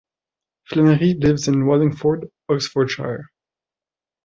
Flannery lives in Wallingford, Oxfordshire.